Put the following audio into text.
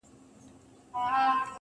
او ښه په ډاگه درته وايمه چي.